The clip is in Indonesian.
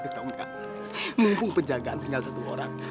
mumpung penjagaan tinggal satu orang